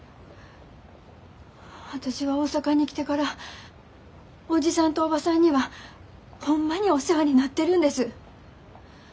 私が大阪に来てからおじさんとおばさんにはホンマにお世話になってるんです。